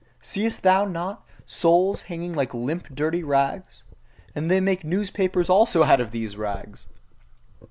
Seest thou not the souls hanging like limp dirty rags? And they make newspapers also out of these rags!